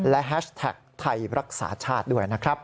และแฮชแท็กไทยรักษาชาติด้วยนะครับ